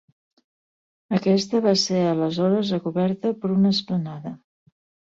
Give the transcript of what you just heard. Aquesta va ser aleshores recoberta per una esplanada.